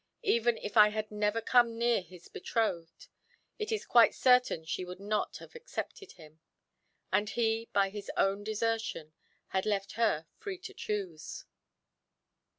Even if I had never come near his betrothed, it is quite certain she would not have accepted him. And he, by his own desertion, had left her free to choose.